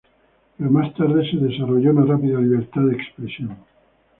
Pero más tarde se desarrolló una rápida libertad de expresión.